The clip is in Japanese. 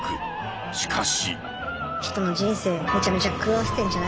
しかし！